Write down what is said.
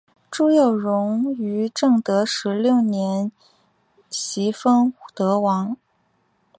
朱佑榕于正德十六年袭封德王。